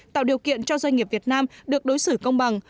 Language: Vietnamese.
tạo điều kiện cho doanh nghiệp việt nam được đối xử công bằng